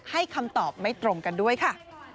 คำตอบไม่ตรงกันด้วยค่ะ